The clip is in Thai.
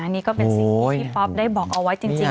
นี่ก็เป็นสิ่งที่พี่ป๊อปได้บอกเอาไว้จริง